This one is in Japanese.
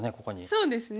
そうですね。